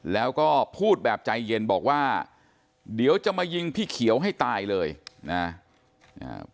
แล้วก็พูดแบบใจเย็นบอกว่าเดี๋ยวจะมายิงพี่เขียวให้ตายเลยนะ